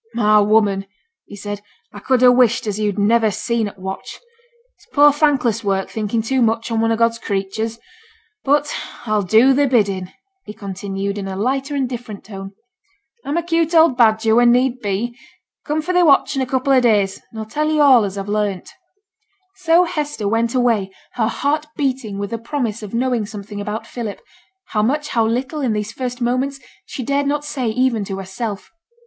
'My woman,' he said 'a could ha' wished as you'd niver seen t' watch. It's poor, thankless work thinking too much on one o' God's creatures. But a'll do thy bidding,' he continued, in a lighter and different tone. 'A'm a 'cute old badger when need be. Come for thy watch in a couple o' days, and a'll tell yo' all as a've learnt.' So Hester went away, her heart beating with the promise of knowing something about Philip, how much, how little, in these first moments, she dared not say even to herself.